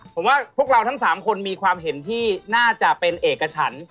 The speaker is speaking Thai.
ผมว่าพวกเราทั้ง๓คนมีความเห็นที่น่าจะเป็นเอกฉัน